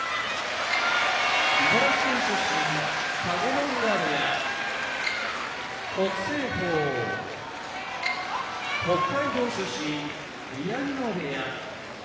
茨城県出身田子ノ浦部屋北青鵬北海道出身宮城野部屋